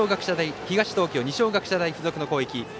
東京の二松学舎大付属の攻撃。